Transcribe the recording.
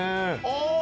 「ああ！」